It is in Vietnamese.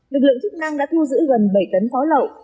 lực lượng chức năng đã thu giữ gần bảy tấn pháo lậu